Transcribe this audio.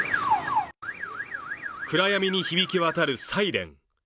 暗闇に響き渡るサイレン。